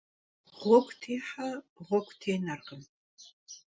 Ğuegu têhe ğuegu tênerkhım.